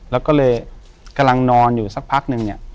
แล้วก็เลยกำลังนอนอยู่สักพักนึงเนี่ย